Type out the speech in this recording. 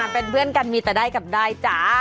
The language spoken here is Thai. เป็นเพื่อนกันมีแต่ได้กับได้จ้า